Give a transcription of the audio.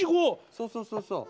そうそうそうそう。